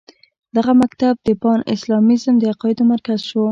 دغه مکتب د پان اسلامیزم د عقایدو مرکز شو.